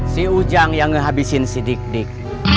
si ujang yang ngehabisin si dik dik